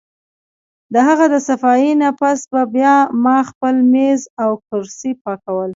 د هغه د صفائي نه پس به بیا ما خپل مېز او کرسۍ پاکول